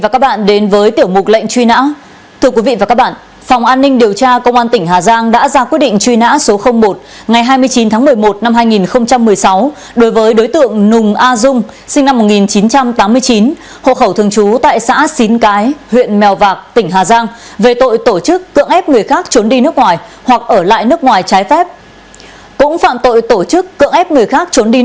chào mừng quý vị đến với tiểu mục lệnh truy nã